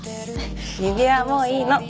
指輪はもういいの。